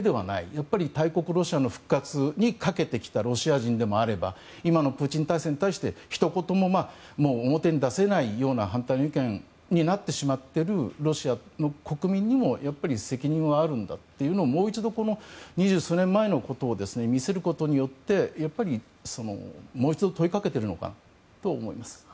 やっぱり大国ロシアの復活にかけてきたロシア人でもあれば今のプーチン体制に対してひと言も、表に出せないような反対の意見になってしまっているロシアの国民にも責任はあるんだというのをもう一度二十数年前のことを見せることによってもう一度問いかけているのかなと思います。